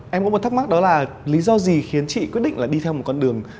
em có một thắc mắc đó là lý do gì khiến chị quyết định là đi theo một con đường